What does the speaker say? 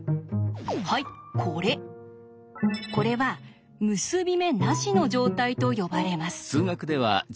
これは「結び目なし」の状態と呼ばれます。